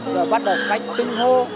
rồi bắt đầu cách sinh hô